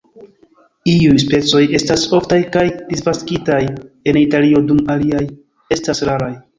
Iuj specioj estas oftaj kaj disvastigitaj en Italio dum aliaj estas raraj.